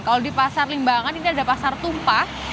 kalau di pasar limbangan ini ada pasar tumpah